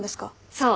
そう。